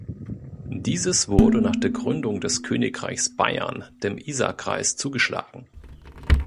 Dieses wurde nach der Gründung des Königreichs Bayern dem Isarkreis zugeschlagen.